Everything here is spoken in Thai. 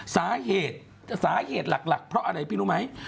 สาเหตุหลักเป็นเพราะอะไรพี่รู้ไหม